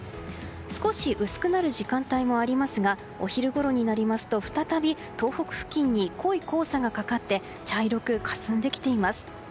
少し薄くなる時間帯もありますがお昼ごろになりますと再び東北付近に濃い黄砂がかかって茶色くかすんできています。